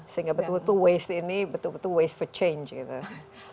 sehingga betul betul waste ini betul betul waste for change gitu